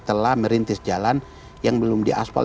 telah merintis jalan yang belum diaspal